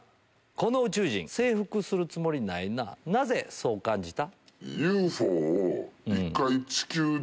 この宇宙人征服するつもりないななぜそう感じた？